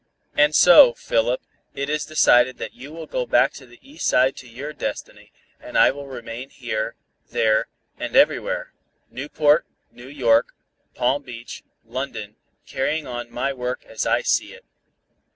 "And so, Philip, it is decided that you will go back to the East Side to your destiny, and I will remain here, there and everywhere, Newport, New York, Palm Beach, London, carrying on my work as I see it."